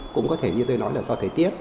cũng có thể như tôi nói là do thời tiết